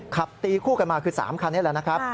ขับตีคู่กันมาคือ๓คันนี้แล้ว